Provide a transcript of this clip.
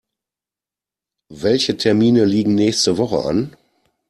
Welche Termine liegen nächste Woche an?